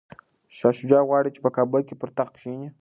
شاه شجاع غواړي چي په کابل کي پر تخت کښیني.